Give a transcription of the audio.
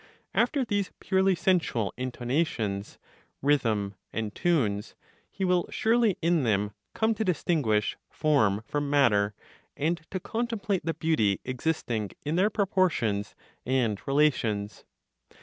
After these purely sensual intonations, rhythm and tunes, he will surely in them come to distinguish form from matter, and to contemplate the beauty existing in their proportions and relations.